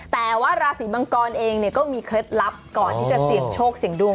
แต่ว่าราศีมังกรเองก็มีเคล็ดลับก่อนที่จะเสี่ยงโชคเสี่ยงดวง